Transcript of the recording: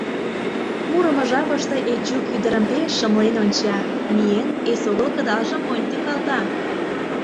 Мурымо жапыште Эчук ӱдырым пеш шымлен онча, миен, эсогыл кыдалжым монь тӱкалта.